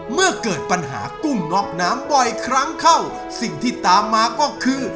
เมื่อเกิดปัญหากุ้งน็อกน้ำบ่อยครั้งเข้าสิ่งที่ตามมาก็คือ